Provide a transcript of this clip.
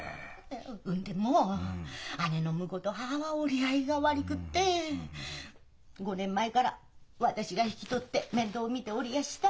んでも姉の婿と母は折り合いが悪くって５年前から私が引き取って面倒を見ておりやした。